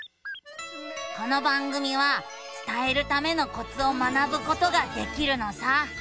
この番組は伝えるためのコツを学ぶことができるのさ。